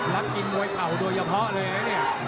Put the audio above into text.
กินมวยเข่าโดยเฉพาะเลยนะเนี่ย